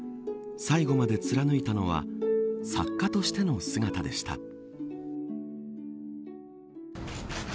最後まで貫いたのは作家としての姿でした。